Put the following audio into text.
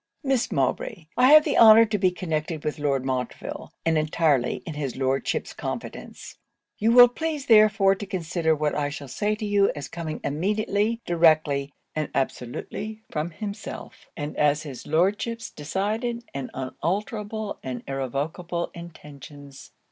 'Miss Mowbray, I have the honour to be connected with Lord Montreville, and entirely in his Lordship's confidence: you will please therefore to consider what I shall say to you as coming immediately, directly, and absolutely, from himself; and as his Lordship's decided, and unalterable, and irrevocable intentions.'